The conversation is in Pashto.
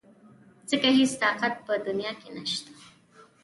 ځکه هېڅ طاقت په دنيا کې نشته .